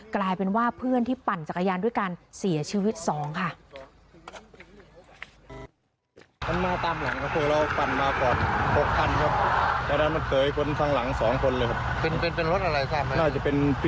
กลายเป็นว่าเพื่อนที่ปั่นจักรยานด้วยกันเสียชีวิตสองค่ะ